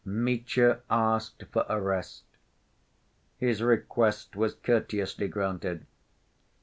Mitya asked for a rest. His request was courteously granted.